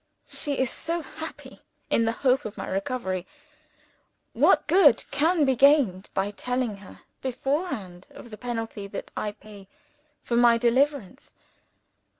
She is so happy in the hope of my recovery! What good can be gained by telling her beforehand of the penalty that I pay for my deliverance?